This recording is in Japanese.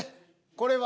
これは。